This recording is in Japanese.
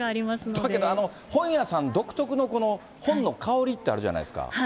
だけど、本屋さん独特の、この本の香りってあるじゃないですか。